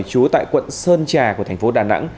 trú tại quận sơn trà của thành phố đà nẵng